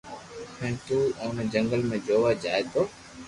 ھين تو اوني جنگل ۾ جووا جائي تو